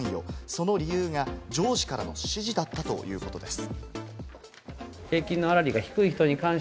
その理由が上司からの指示だったということです。